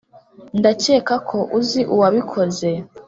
ndakeka ko uzi uwabikoze.